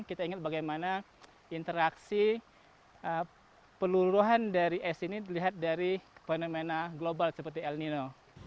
kita ingat bagaimana interaksi peluruhan dari es ini dilihat dari fenomena global seperti el nino